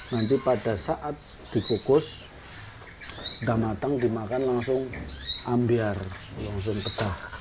nanti pada saat dikukus sudah matang dimakan langsung ambiar langsung pecah